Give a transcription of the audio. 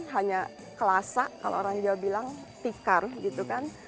hanya kelasa kalau orang jawa bilang tikar gitu kan